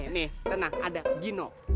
nih nih nih tenang ada gino